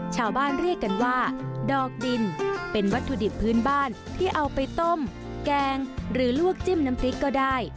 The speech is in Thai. ชาวบ้านเรียกกันว่าดอกดินเป็นวัตถุดิบพื้นบ้านที่เอาไปต้มแกงหรือลวกจิ้มน้ำพริกก็ได้